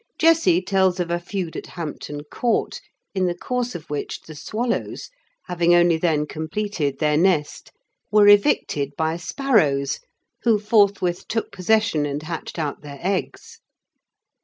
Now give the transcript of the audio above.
Jesse tells of a feud at Hampton Court, in the course of which the swallows, having only then completed their nest, were evicted by sparrows, who forthwith took possession and hatched out their eggs.